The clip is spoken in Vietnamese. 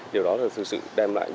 điều đó thực sự đem lại